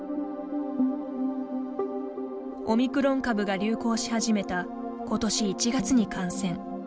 オミクロン株が流行し始めたことし１月に感染。